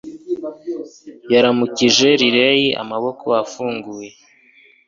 Yaramukije Riley amaboko afunguye